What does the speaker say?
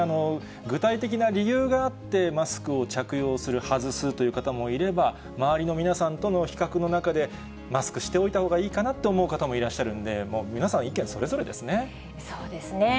具体的な理由があって、マスクを着用する、外すという方もいれば、周りの皆さんとの比較の中で、マスクしておいた方がいいかなと思う方もいらっしゃるんで、そうですね。